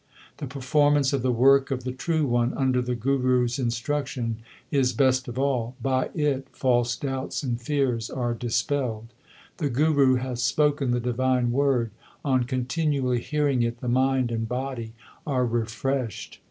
The performance of the work of the True One under the Guru s instruction is best of all ; by it false doubts and fears are dispelled. The Guru hath spoken the divine Word ; on continually hearing it the mind and body are refreshed.